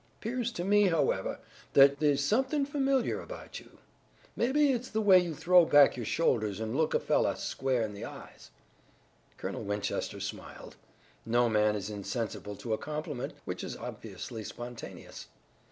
'Pears to me, however, that they's somethin' familiar about you. Mebbe it's the way you throw back your shoulders an' look a fellow squah in the eyes." Colonel Winchester smiled. No man is insensible to a compliment which is obviously spontaneous.